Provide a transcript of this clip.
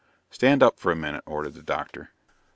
"Stand up for a minute," ordered the doctor.